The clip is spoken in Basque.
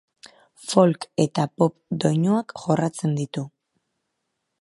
Folk eta pop doinuak jorratzen ditu.